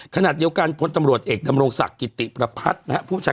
ขณะเดียวกันพลตำรวจเอกดำรงศักดิ์กิติประพัฒน์นะครับ